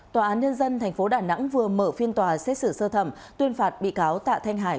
tòa án nhân dân tp đà nẵng vừa mở phiên tòa xét xử sơ thẩm tuyên phạt bị cáo tạ thanh hải